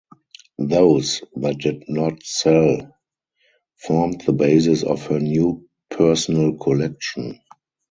Those that did not sell formed the basis of her new personal collection.